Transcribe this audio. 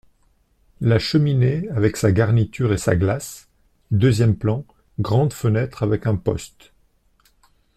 La cheminée avec sa garniture et sa glace ; deuxième plan, grande fenêtre avec imposte.